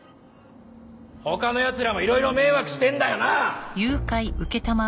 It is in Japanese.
他のヤツらもいろいろ迷惑してんだよなぁ！